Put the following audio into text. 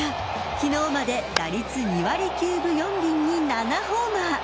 昨日まで打率２割９分４厘に７ホーマー。